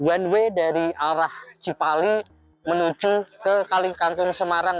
one way dari arah cipali menuju ke kalikangkung semarang